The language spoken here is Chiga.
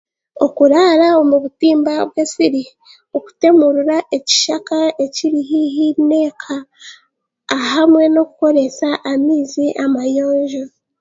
Okuraara omu butimba bw'ensiri, okutemurura ekishaka ekiri hiihi n'eka hamwe n'okukoresa amaizi amayonjo.